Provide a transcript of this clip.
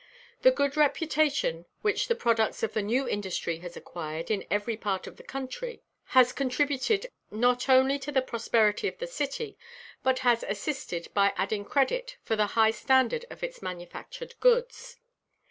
The good reputation which the products of the new industry has acquired in every part of the country has contributed not only to the prosperity of the city, but has assisted by adding credit for the high standard of its manufactured goods.